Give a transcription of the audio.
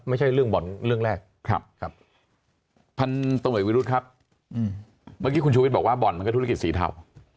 ไม่ใช่เรื่องบ่อนเรื่องแรกพันธุ์ตำรวจวิรุธครับเมื่อกี้คุณชูวิทย์บอกว่าบ่อนมันก็ธุรกิจสีเทา